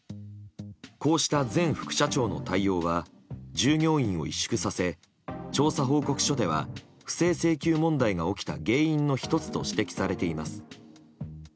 こうした前副社長の対応は従業員を委縮させ調査報告書では不正請求問題が起きた原因の１つと指摘されています。